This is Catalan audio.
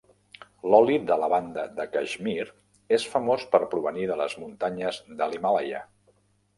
L'oli de lavanda de Caixmir és famós per provenir de les muntanyes de l'Himàlaia.